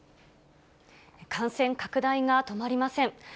感染拡大が止まりません。